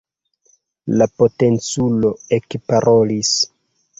La potenculo ekparolis.